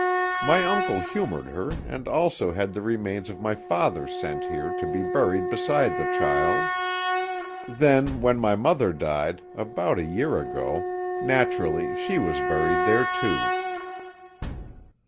My uncle humoured her and also had the remains of my father sent here to be buried beside the child. Then, when my mother died, about a year ago, naturally she was buried there, too."